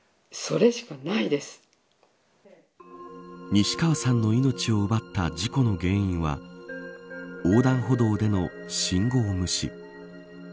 西川さんの命を奪った事故の原因は横断歩道での信号無視。